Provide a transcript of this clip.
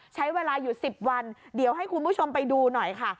ใช้เวลาอยู่๑๐วันเดี๋ยวให้คุณผู้ชมไปดูหน่อยค่ะ